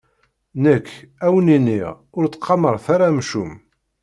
Nekk, ad wen-iniɣ: Ur ttqamaret ara amcum.